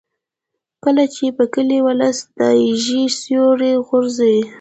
کله چې په کلي ولس د ایږې سیوری غورځي.